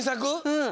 うん！